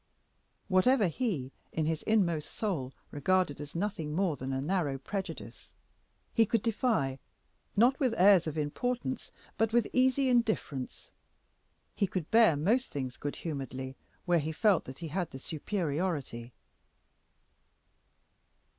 Whatever he in his inmost soul regarded as nothing more than a narrow prejudice, he could defy, not with airs of importance, but with easy indifference. He could bear most things good humoredly where he felt that he had the superiority.